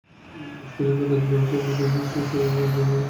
স্বজনেরা দাবি করছে, অন্য দুই শিশু রমজানের শরীরে আগুন ধরিয়ে দেয়।